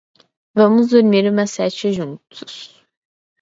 Vamos dormir uma sesta juntos